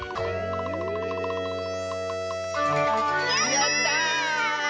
やった！